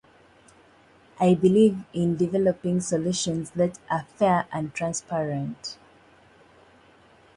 There were no large defensive structures.